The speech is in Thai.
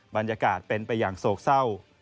บรรยากาศเป็นไปอย่างโศกเศร้า